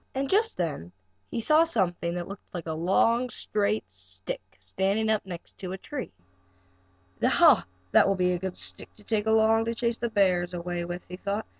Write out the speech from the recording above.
And just then he saw something like a long, straight stick, standing up against a tree. "Ha, that will be a good stick to take along to chase the bears away with," he thought.